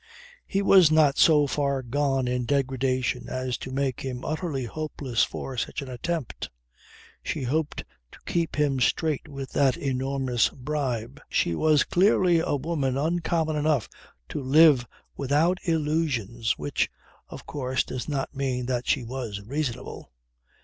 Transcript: He was not so far gone in degradation as to make him utterly hopeless for such an attempt. She hoped to keep him straight with that enormous bribe. She was clearly a woman uncommon enough to live without illusions which, of course, does not mean that she was reasonable.